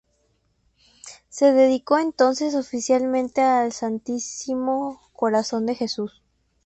Se dedicó entonces oficialmente al Santísimo corazón de Jesús.